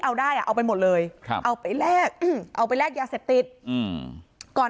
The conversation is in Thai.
เอาได้อ่ะเอาไปหมดเลยเอาไปแลกเอาไปแลกยาเสพติดก่อน